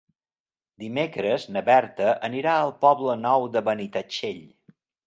Dimecres na Berta anirà al Poble Nou de Benitatxell.